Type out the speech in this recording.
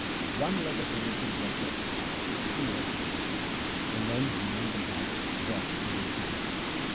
One leg of religion dropped off ; three legs remained ; in men's minds and hearts wrath was inflamed.